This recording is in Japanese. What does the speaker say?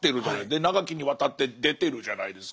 で長きにわたって出てるじゃないですか。